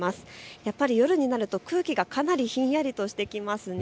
やっぱり夜になると空気がかなりひんやりとしてきますね。